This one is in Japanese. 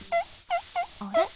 あれ？